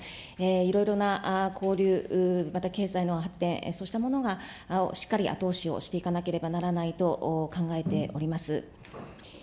いろいろな交流、また経済の発展、そうしたものがしっかり後押しをしていかなければならないと考えております。